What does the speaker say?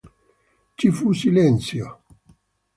Ci fu silenzio